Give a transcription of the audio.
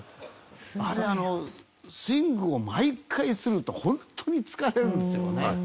あれあのスイングを毎回するって本当に疲れるんですよね。